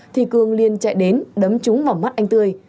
thì cường liên chạy đến đấm trúng vào mắt anh tươi